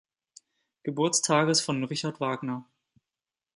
Geburtstages von Richard Wagner.